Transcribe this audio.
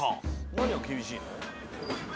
何が厳しいの？